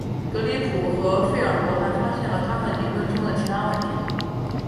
格里普和费尔罗还发现了他们理论中的其他问题。